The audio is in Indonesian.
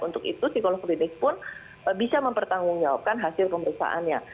untuk itu psikolog klinik pun bisa mempertanggungjawabkan hasil pemeriksaannya